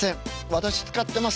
私使ってます。